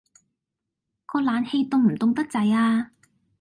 個冷氣凍唔凍得滯呀？